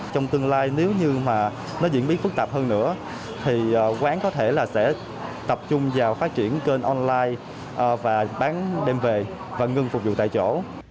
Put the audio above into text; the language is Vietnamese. trong tương lai nếu như mà nó diễn biến phức tạp hơn nữa thì quán có thể là sẽ tập trung vào phát triển kênh online và bán đem về và ngưng phục vụ tại chỗ